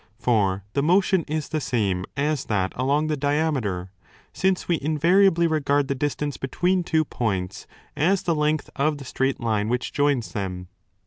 For the motion is the same as that along the diameter, since we invariably regard the distance between two points as the length of the straight line which joins them.